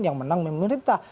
yang menang memerintah